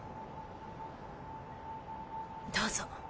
どうぞ。